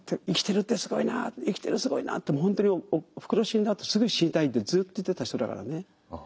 「生きてるってすごいなあ生きてるすごいなあ」ってもう本当におふくろ死んだあとすぐ死にたいってずっと言ってた人だからね。